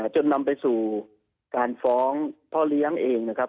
จนนำไปสู่การฟ้องพ่อเลี้ยงเองนะครับ